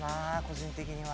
個人的には。